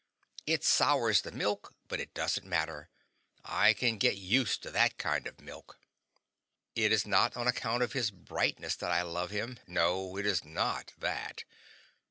It sours the milk, but it doesn't matter; I can get used to that kind of milk. It is not on account of his brightness that I love him no, it is not that.